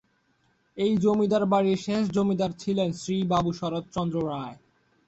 এই জমিদার বাড়ির শেষ জমিদার ছিলেন শ্রী বাবু শরৎচন্দ্র রায়।